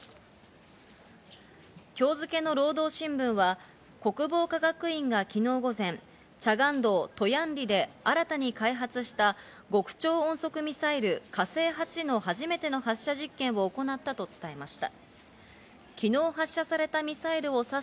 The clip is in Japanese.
今日付の労働新聞は国防科学院が昨日午前、チャガン道トヤン里で新たに開発した極超音速ミサイル「火星８」の初めての発射実験を行ったと伝えました。